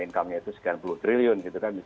income nya itu sekian sepuluh triliun